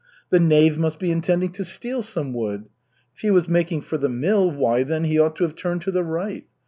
The knave must be intending to steal some wood. If he was making for the mill, why, then, he ought to have turned to the right.